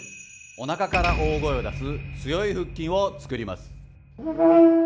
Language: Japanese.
おなかから大声を出す強い腹筋を作ります。